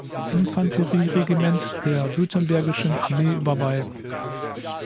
Infanterie-Regiment der Württembergischen Armee überweisen.